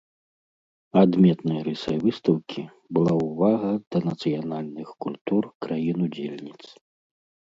Адметнай рысай выстаўкі была ўвага да нацыянальных культур краін-удзельніц.